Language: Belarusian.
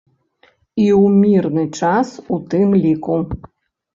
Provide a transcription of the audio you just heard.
І ў мірны час у тым ліку.